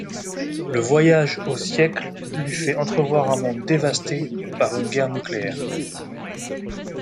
Le voyage au siècle lui fait entrevoir un monde dévasté par une guerre nucléaire.